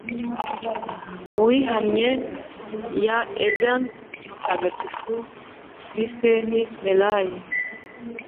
Uwihannye ya Edna Mutagatifu Visenti Millay